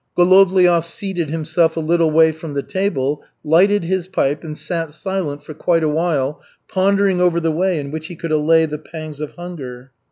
Golovliov seated himself a little way from the table, lighted his pipe, and sat silent for quite a while pondering over the way in which he could allay the pangs of hunger.